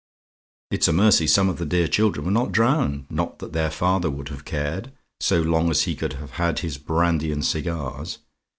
"It's a mercy some of the dear children were not drowned; not that their father would have cared, so long as he could have had his brandy and cigars.